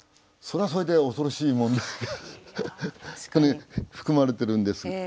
それはそれで恐ろしい問題がここに含まれてるんです。